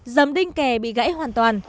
dầm đinh kè bị gãy hoàn toàn